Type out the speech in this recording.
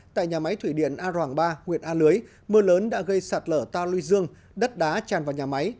tại nhà máy thủy điện a roàng ba nguyện a lưới mưa lớn đã gây sạt lở ta lưu dương đất đá tràn vào nhà máy